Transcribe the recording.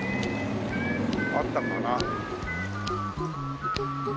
あったかな。